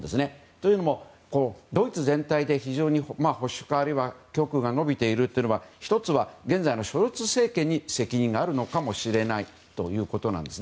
というのもドイツ全体で保守派、あるいは極右が伸びているというのは１つは現在のショルツ政権に責任があるのかもしれないということです。